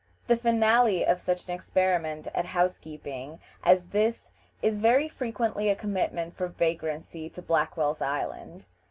The finale of such an experiment at housekeeping as this is very frequently a commitment for vagrancy to Blackwell's Island.